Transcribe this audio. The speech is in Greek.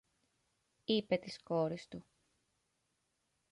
είπε της κόρης του